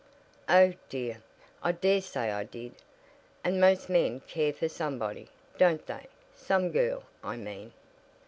"Oh dear, I dare say I did. And most men care for somebody, don't they? Some girl, I mean."